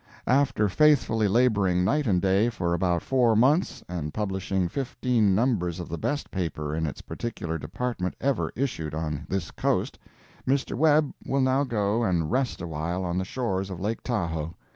After faithfully laboring night and day for about four months, and publishing fifteen numbers of the best paper in its particular department ever issued on this coast, Mr. Webb will now go and rest a while on the shores of Lake Tahoe.